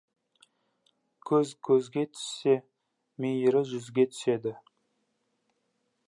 Көз көзге түссе, мейірі жүзге түседі.